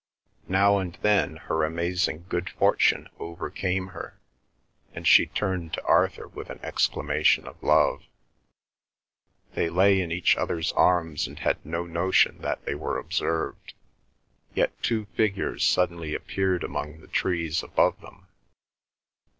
Now and then her amazing good fortune overcame her, and she turned to Arthur with an exclamation of love. They lay in each other's arms and had no notion that they were observed. Yet two figures suddenly appeared among the trees above them.